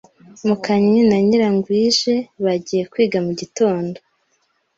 Mukannyi na Nyirangwije bagiye kwiga mu gitondo